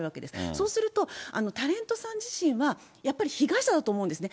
そうすると、タレントさん自身はやっぱり被害者だと思うんですね。